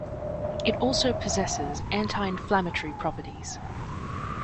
It also possesses anti-inflammatory properties.